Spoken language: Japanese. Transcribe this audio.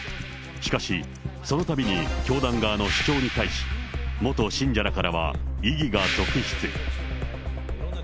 しかし、そのたびに教団側の主張に対し、元信者らからは異議が続出。